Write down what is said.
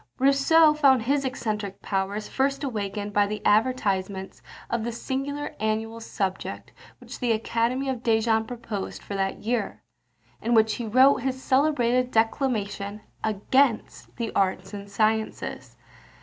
Rousseau found his eccentric powers first awakened by the advertisement of the singular annual subject which the Academy of Dijon proposed for that year, in which he wrote his celebrated declamation against the arts and sciences.